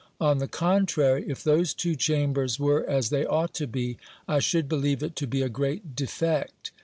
On the contrary, if those two Chambers were as they ought to be, I should believe it to be a great defect.